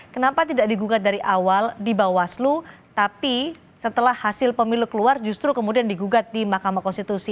kenapa tidak digugat dari awal di bawaslu tapi setelah hasil pemilu keluar justru kemudian digugat di mahkamah konstitusi